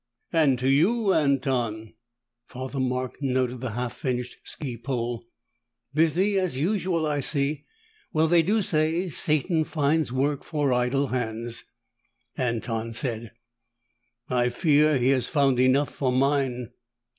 "And to you, Anton." Father Mark noted the half finished ski pole. "Busy as usual, I see. Well, they do say Satan finds work for idle hands." Anton said, "I fear he has found enough for mine."